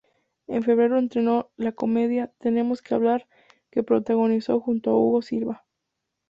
En febrero estrenó la comedia "Tenemos que hablar", que protagonizó junto a Hugo Silva.